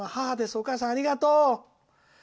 お母さんありがとう！